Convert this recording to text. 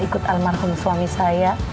ikut almarhum suami saya